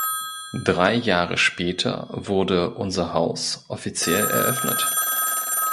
Drei Jahre später wurde „Unser Haus“ offiziell eröffnet.